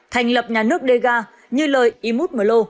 thành lập nhà nước dega như lời ý mút mờ lô